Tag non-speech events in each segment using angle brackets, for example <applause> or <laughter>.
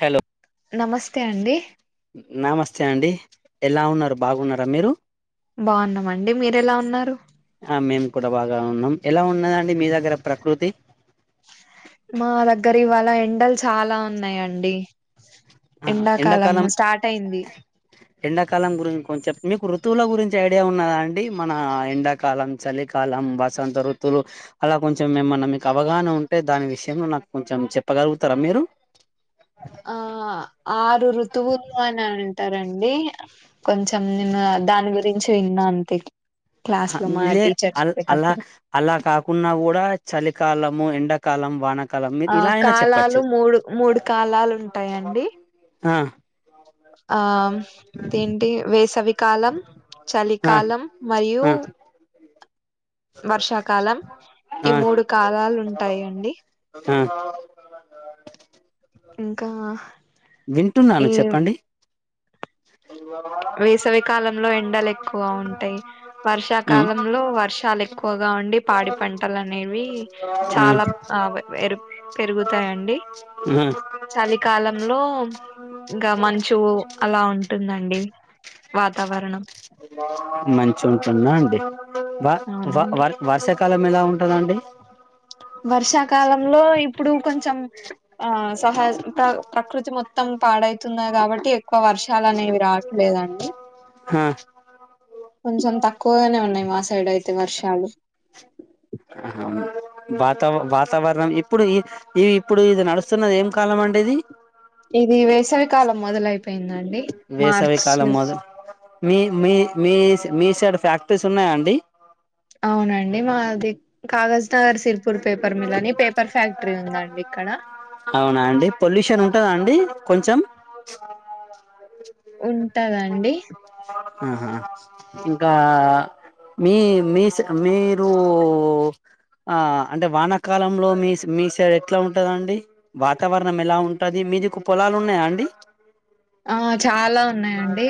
Hello నమస్తే అండి నమస్తే అండి ఎలా ఉన్నారు బాగున్నారా మీరు బాగున్నామండి మీరెలా ఉన్నారు ఆ మేము కూడా బాగా ఉన్నాం ఎలా ఉన్నదండి మీ దగ్గర ప్రకృతి మా దగ్గర ఇవాళ ఎండల్స్ చాలా ఉన్నాయండి ఆ ఎండాకాలం ఎండాకాలము స్టార్ట్ అయింది ఎండాకాలం గురించి కొంచెం మీకు ఋతువుల గురించి ఐడియా ఉన్నదా అండి మన ఎండాకాలం చలికాలం వసంత ఋతువులు అలా కొంచెం ఏమన్నా మీకు అవగాహన ఉంటే దాని విషయంలో నాకు కొంచెం చెప్పగలుగుతారా మీరు ఆ ఆరు ఋతువులు అని అంటారండి కొంచెం నేను దాని గురించి విన్నా అంతే క్లాస్ లో మా లే టీచర్ అల్ అల్లా చెప్పేటప్పుడు అల్లా కాకున్నా కూడా చలి కాలము ఎండకాలం వానక ఆ కాలాలు మూడు మూడు కాలాలు ఉంటాయండి ఆ ఆ దీంటి వేసవికాలం ఆ చలికాలం మరియు ఆ వర్షాకాలం ఆ ఈ మూడు కాలాలు ఉంటాయండి ఆ ఇంకా వింటున్నాను చెప్పండి ఉమ్ వేసవికాలంలో ఎండలు ఎక్కువ ఉమ్ ఉంటాయి వర్షాకాలంలో వర్షాలు ఎక్కువగా ఉండి పాడి పంటలు అనేవి చాలా ఆ ఎరుగు పెరుగుతాయండి ఉమ్ చలికాలంలో లో ఇంకా మంచు అలా ఉంటుంద మంచి మంచిగుందా అండి వ వ అవునండి వర వార్షాకాలం ఏలా ఉ ఉంటదండి వర్షాకాలంలో ఇప్పుడు కొంచెం ఆ సహా త ప్రకృతి మొత్త మొత్తం పాడైతున్నా కాబట్టి ఏ క్వ వర్షాలు అనేవి రావట్లేదండి ఆ కొంచెం తక్కువగానే ఉన్నాయి మా సైడ్ అయి ఎ వర్షలు ఆహా వాతావ వాతావరణం ఇప్పుడు ఈ ఇ ఇప్పుడు ఇది నడుస్తున్నది ఏం కాలం అండి ఇది ఇది వేసవికాలం మొదలైపోయి వేసవిికాలం మొద మీ మీ మీ మీ సైడ్ ఫ్యాక్టరీస్ ఉన్నాయా అండి అవునండి మాది Kagaznagar Sirpur paper mill అని పేపర్ ఫ్యాక్టరీ ఉందండి ఇక్కడ అవునా అండి పొల్యూషన్ ఉంటదా అండి కొంచెం ఉంటదండి ఆహా ఇంకా మీ మీస్ మీరు ఆ అంటే వానాకాలంలో మీ మీ సైడ్ ఎట్లా ఉంటది అండి వాతావరణం ఎలా ఉంటది మీదికు పొలాలు ఉన్నాయా అండి ఆ చాలా ఉన్నాయండి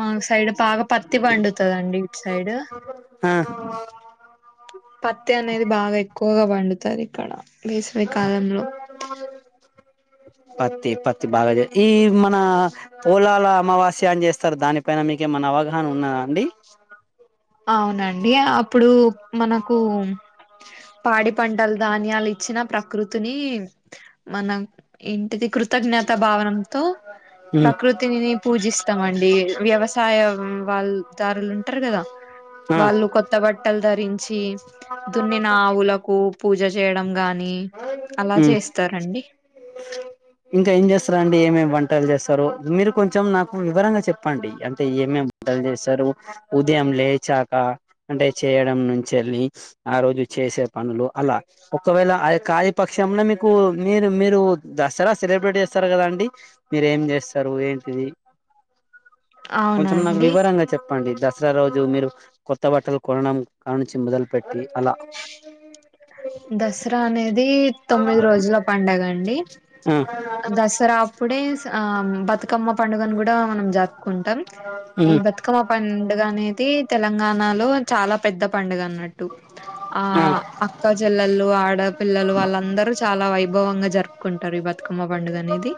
మా సైడ్ బాగా పత్తి పండుతదండి ఇటు సైడ్ ఆ <inaudible> పత్తి అనేది బాగా ఎక్కువగా పండుతది ఇక్కడ వేసవి కాలంలో పత్తి పత్ తి బాగా ఏ <unintelligible> మన పోలా లా అమావాస్యా అని చేస్తారు దానిపైన మీకు ఏమనా అవగాహన ఉన్నాదా అండి అవునండి అప్పుడు మనకు పాడి పంటలు ధాన్యాలు ఇచ్చిన ప్రకృతిని మన ఇ ది కృతజ్ఞత భావనంతో ఉమ్ ప్రకృతినిని పూజిస్తామండి వ్యవసాయ వాళ్ళ దారులు ఉంటారు కదా ఆ వాళ్ళు కొత్త బట్టలు ధరించి దున్నిన ఆవులకు పూజ చేయడం గానీ హ్మ్ ఇంకా ఏం చేస్తారండి ఏమేమి వంటల చేస్త స్తారు మీరు కొంచెం నాకు వివరంగా చెప్పండి అంటే ఏమేమి వంటలు చేస్తారు ఉదయం లేచాక అంటే చేయడం నుంచి వెళ్ి ఆ రోజు చేసే పనులు అలా ఒకవేళ ఆొ కానీపక్షంలో మీకు మీరు మీరు దసరా సెలబ్రేట్ చేస్తారు కదండి మీర ఏం చేస్తారు ఏంటిది కొంచెం నాకు అవునండి వివరంగా చెప్పండి ద సరా రోజు మీరు కొత్త బట్టలు కొనడం కా నుంచి మొదలుపెట్టి దసరా అనే ది తొమ్మిది రోజుల పండుగ అండి ఆ దసరా అప్పుడే ఆ బతుకమ్మ పండుగను కూడా మనం జరుపుకుంటాం ఈ ఉమ్ బతుకమ్మ పండుగ అనేది తెలంగాణలో చాలా పెద్ద పండుగ అన్నట్టు ఆ అక్క జెల్లలు ఆడ్ పిల్లలు వాళ్ళందరూ చాలా వైభవంగా జరుపుకుంటారు ఈ బతుకమ్మ పండుగ అనేది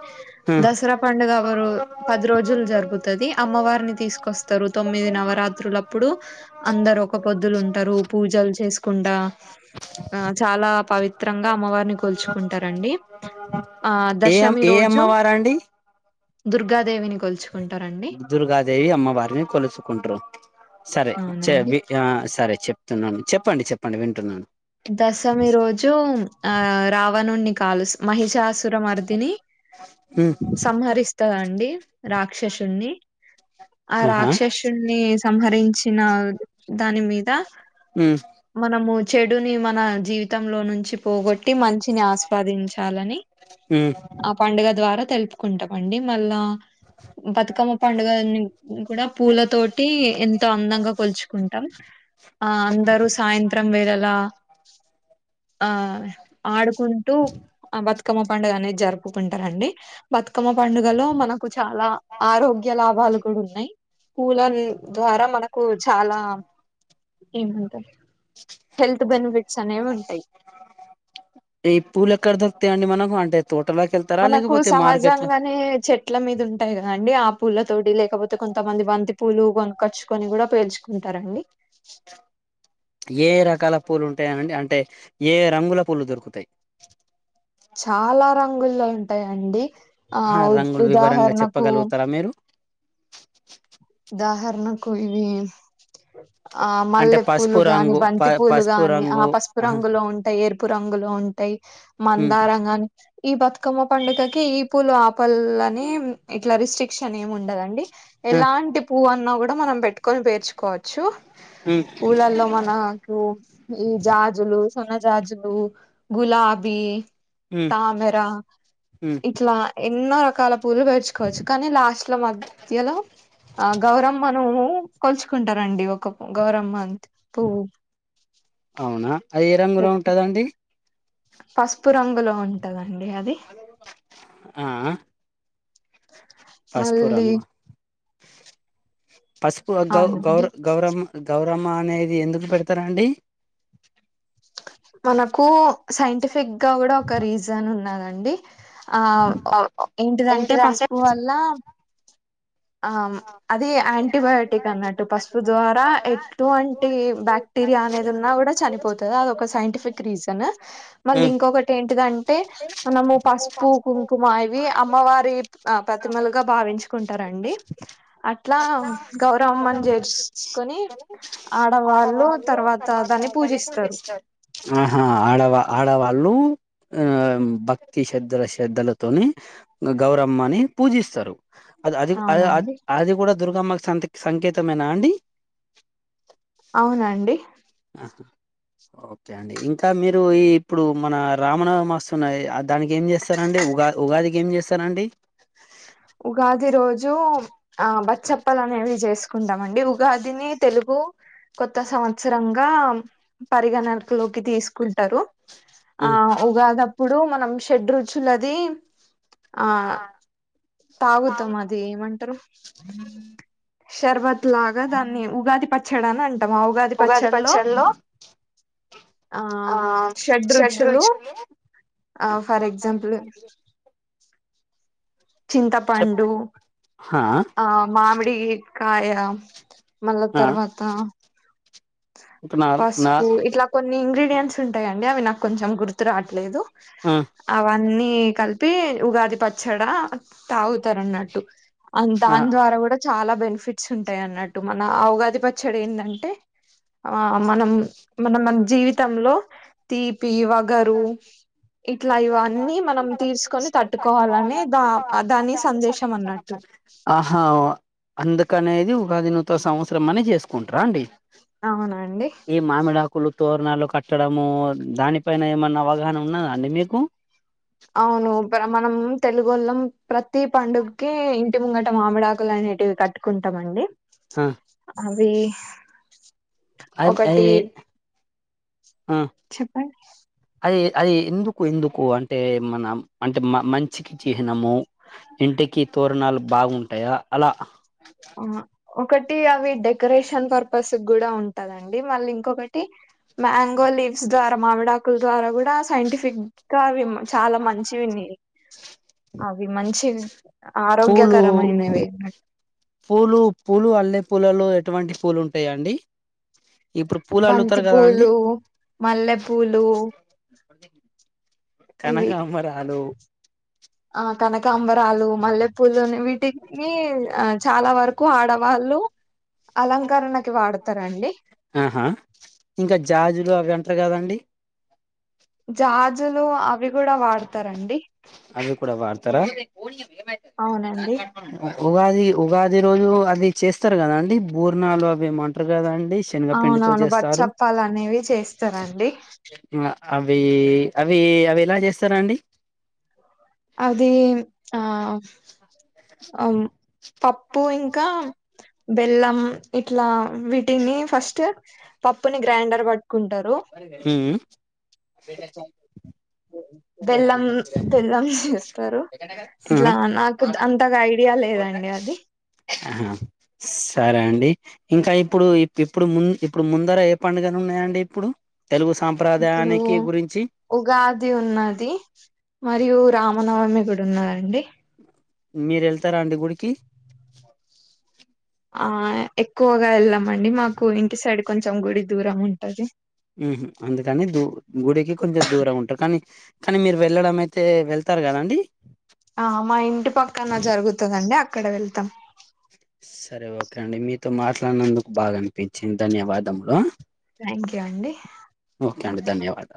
ఆ దసరా పండుగ వరు పది రోజులు జరుగుతది అమ్మవారిని తీసుకొస్తారు తొమ్మిది నవరాత్రుల అప్పుడు అందరు ఒక పొద్దులు ఉంటారు పూజలు చేసుకుండా ఆ చాలా పవిత్రంగా అమ్మవారిని కొల్చుకుంటారండి ఆ ఏ దశమి ఏ రోజు దుర్గా దేవని దుర్గ దేవి అమ్మవారిని కొల్సుకుంట్రు సరే చె అవునండి సరే చెప్ న్నాను చెప్పండి చెప్పండి వింటున్నాను దశమి రోజు ఆ రావణుండి కాలు మహిషాసుర మర్దిని ఉమ్ సంహరిస్తదండి రాక్షసుి ఆ ఆహా రాక్షసుణి సంహరించిన దాని మీద ఉమ్ మనము ఇడుని మన జీవితంలో నుంచి పోగొట్టి మంచిని ఆస్వాదించాలని ఉమ్ ఆ పండుగ ద్వారా తెలుపుకుంటామండి మళ్ళా బతుకమ్మ పండుగని కూడా పూల తోటి ఎంతో అందంగా కొల్చుకుంటాం ఆ అందరూ సాయంత్రం వేళలా <inaudible> ఆ ఆడుకుంటూ బతుకమ్మ పండుగ అనేది జరుపు ఒప్పుకుంటారండి బతుకమ్మ పండుగలో మనకు చాలా ఆరోగ్య లాభాలు కూడా ఉన్నాయి కూూల ద్వారా మనకు చాలా ఏమంటారు హెల్త్ బెనిఫిట్స్ అనేవి ఉంటాయి ఏ పూలక్కడధక్తే అండి మా మనకు అంటే తోటలోకి వెళ్తారా మనకు లేకపోతే మార్కెట్ లో సహజంగానే చెట్ల మీద ఉంటాయి కదండి ఆ పూల తోటి లే లేకపోతే కొంతమంది బంతి పూలు కొనకచ్చుకొని కూడా పేర్చుకుంటారండి ఏ రకాల పూలు ఉంటాయ అండి అంటే ఏ రంగుల పూలు దొరుకుతాయి చాలా రంగుల్లో ఉంటాయండి ఆ రంగులు వివరంగా ఉదాహరణకు చెప్పగలుగుతారా మీరు ఉదాహరణకు <unintelligible> ఆ అంటే మల్లె పసుపు పూలు గాని రంగు ప బంతి పూలు పసుపు గాని ఆ రంగు పసుపు ఆహా రంగులో ఉంటాయి పు రంగులు ఉంటాయి ఉమ్ మందారంగాని ఈ బతుకమ్మ పండుగకి ఈ పూలు పల్లనే ఇట్లా రిస్ట్రిక్షన్ ఏమి ఉండదండి ఆ ఎలాంటి పూవున్న కూడా మనం పెట్టుకొని పేర్చుకోవచ్చు ఉమ్ పూలల్లో మనకు ఈ జాజులు సన్న జాజులు గులాబీ ఉమ్ తామేరా ఉమ్ ఇట్లా ఎన్నో రకాల పూలు పేర్చుకోవచ్చు కానీ లాస్ట్ లో మధ్యలో ఆ గౌరమ్మను కొల్చుకుంటారండి ఒక గౌరమ్మ అంతె అవునా అయ రంగులో పెట్టి ఉంటుదండి పసుపు రంగులో ఉంటదం ఆ పసుపు మళ్ళీ రంగు పసుపు గౌ అవునండి గౌర్ గౌరం గౌర్ రమ అనేది ఎందుకు పెడతారండి మనకు సైంటిఫిక్ గా కూడా ఒక రీజన్ ఉన్నదండి అండి ఆ ఏంటిదంటే పసుపు వల్ల ఆ అది యాంటీబయోటిక్ అన్నట్టు పసుపు ద్వారా ఎటువంటి బాక్టీరియా అనేది ఉన్నా కూడా చనిపోతుంది అది ఒక సైంటిఫిక్ రీజన్ మళ్ళీ ఉమ్ ఇంకొకటి ఏంటిదంటే మనము పసుపు కుంకుమ ఇవి అమ్మవారి ప్రతిమలుగా భావించుకుంటారు అండి చేర్చుకొని ఆడవాళ్ళు తర్వాత దాన్ని పూజిస్తారు ఆహా ఆడవాళ్లు ఆ భక్తి శ్రధల శ్రద్ధలతోని గౌరమ్మని పూజిస్తారు అది అది అ అవునండి అది గూడా దుర్గమ్మ సంత్ సంకేతమేనా అండి అవునండి ఆ ఓకే అండి ఇంకా మీరు ఈ ఇప్పుడు మన రామనవమ వస్తున్నయి దానికి ఏం చేస్తారండి ఉగా ఉగాదికి ఏం చేస్త నండి ఉగాది రోజు ఆ బ చెప్పలనేవి జేసు కుంటమండి ఉగాదిని తెలుగు కొత్త సంవత్సరం ఆమ్ పరిగణలోకి తీసుకుంటరు ఆ ఉగాదప్పుడు మనం షెడ్ రుచులది ఆ తాగుతమ్ అది ఏమంటరు షర్బత్ లాగా దాన్ని ఉగాది పచ్చడి అని అంటాం ఆ ఉగాది పచ్చడిలో ఆ షడ్ రుచులు ఆ ఫర్ ఎగ్జాంపుల్ <inaudible> చెప్ చింతపండు హా ఆ మామిడి కాయ మళ్ళ ఆ తర్వాత ఒక నాలు నా పసుపు ఇట్లా కొన్ని ఇన్ని ఇంగ్రీడియన్స్ ఉంటయండి అవి నాకు కొంచెం గుర్తు రాట్లేదు ఆ అన్ని కలిపి ఉగాది పచ్చడ తాగు తరనట్టు ఆ దాని ద్వారా గూడా చాలా బెనిఫి ఫిట్స్ ఉంటాయి అన్నట్టు మన ఆ ఉగాది పచ్చడ ఏందంటే ఆ మనం మనం మన జీవితంలో తీపి వగరు ఇట్లా ఇవన్నీ మనం తీసుకొని తట్టుకోవాలని దా దాని సందేశం అన్నట్టు కనేది ఉగాది నూతన సంవత్సరం అని చేసుకుంటర అండి అవునండి ఈ మామిడాకులు తోరణాలు కట్టడము దానిపైన ఏమన్నా అవగాహన ఉన్నదండి మీకు అవును మనం తెలుగోళ్ళం ప్రతి పండుగకి ఇంటి ముంగట మామిడాకులు అనేటివి కట్టుకుంటమండి అ <unintelligible> అ <unintelligible> అ అ అ <unintelligible> చెప్పండి అది ఎందుకు ఎందుకు అంటే మనం అంటే మ మంచికి చిహ్నము ఇంటికి తోరణాలు బాగుంటయా అలా ఆ ఒకటి అవి డెకరేషన్ పర్పస్ గూడా ఉంటదండి మళ్ళీ ఇంకొకటి మ్యాం గో లీవ్స్ ద్వారా మామిడాకు ద్వారా గూడా సైంటిఫిక్ గా అవి చాలా మంచినివి అవి మంచి పూలు ఆరోగ్యకరమైనవి పూలు పూలు మల్లే పూలలో ఎటువంటి పూలు ఉంటాయిండి బంతి పూలు మల్లెపూలు కనకాంబరాలు ఆ కనకాంబరాలు మల్లె పులోనే వీటి మీ.... ఆ... చాలా వరకు ఆడ వాళ్ళు ఆహా ఇంకా జాజులు అవన్ అట్లా కాదండి జాజులు అవివ్ కూడా వాడతారండి అది కూడా వాడతార ఆ అవునండి ఉగాది ఉగాది రోజు అది చేస్తారు కదాండి బూర్నాలు అవి ఏమో అంటారు కదాన్ అవునవును బచ్చప్పాలు అనేవి చేస్తారండి. అవీ అవీ అవి ఎలా జేస్తారాండి అది ఆ, ఔను పప్పు ఇంకా మ్ బెల్లం ఇట్లా, మ్ వీటిని ఫస్ట్ పప్పుని గ్రైండర్ పట్ హ్మ్ మ్ బెల్లం బెల్లం చేస్తారు ఆహా ఇట్లా నాకుద్ద అంతగా ఐడ్ ఇవాళ లేదండి అది ఆహా సరే అండి ఇంకా ఇప్పుడు ఇప్పుడు ము ఇప్పుడు ముందర ఏ పండుగను ఉన్నాయండి ఇప్పుడు తెలుగు ఇప్పుడు సాంప్రదాయానికి గురించి ఉగాది ఉన్నది మరియు రాం మీ నవమి కూడా ఉన్నదండి మీరెళ్తారా అండి గుడికి ఆయ్ ఎక్కు గా ఎళ్ళం అండి మాకు ఇంటి సైడ్ కొంచెం గుడి దూరం ఉంటది ఊహూ అందుకని దూ గుడికి కొంచెం దూరం ఉంటారు కానీ కానీ మీరు వెళ్ళడం అయితే వెళ్తారు కదాండి ఆ మా ఇంటి పక్కన జరుగుతుందండి అక్ క్కడ వెళ్తాం సరే ఓకే అండి మీతో మాట్లాడినందుకు బాగా అనిపిచ్చింది ధన్యవాదములో థ్యాంక్ యూ అండి అండి ఓకే ధన్యవాదాలు